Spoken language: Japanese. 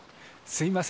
すいません